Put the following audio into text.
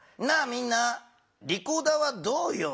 みんなリコーダーはどうよ？